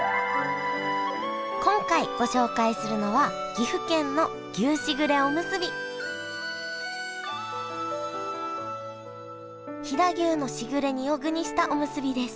今回ご紹介するのは飛騨牛のしぐれ煮を具にしたおむすびです。